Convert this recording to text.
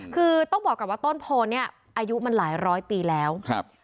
คือต้องบอกก่อนว่าต้นโพเนี่ยอายุมันหลายร้อยปีแล้วครับ